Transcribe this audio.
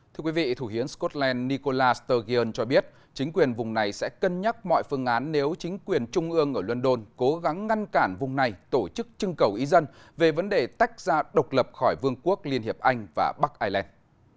thưa quý vị thủ hiến scotland nicola sturgeon cho biết chính quyền vùng này sẽ cân nhắc mọi phương án nếu chính quyền trung ương ở london cố gắng ngăn cản vùng này tổ chức trưng cầu ý dân về vấn đề tách ra độc lập khỏi vương quốc liên hiệp anh và bắc ireland